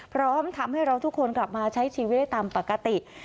พร้อมทำให้เราทุกคนกลับมาใช้ชีวิตได้ตามปกติ